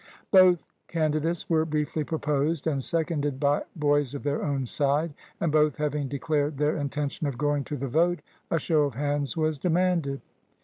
Both candidates were briefly proposed and seconded by boys of their own side, and both having declared their intention of going to the vote, a show of hands was demanded.